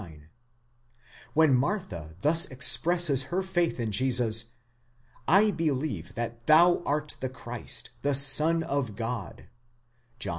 69); when Martha thus expresses her faith in Jesus, / delieve that thou art the Christ, the Son of God (John xi.